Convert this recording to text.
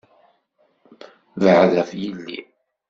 Beεεed ɣef yelli!